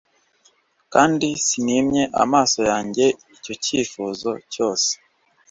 kandi sinimye amaso yanjye icyo yifuza cyose